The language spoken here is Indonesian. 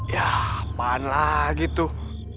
ya apaan lagi tuh